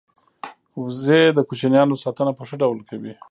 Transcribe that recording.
وزې د کوچنیانو ساتنه په ښه ډول کوي